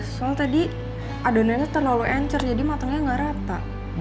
soalnya tadi adonannya terlalu encer jadi matangnya gak rata